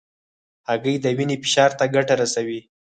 هګۍ د وینې فشار ته ګټه رسوي.